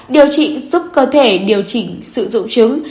điều trị giúp cơ thể điều chỉnh sự dụng trứng